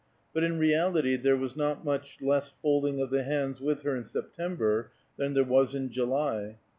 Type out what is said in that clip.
But in reality there was not much less folding of the hands with her in September than there was in July.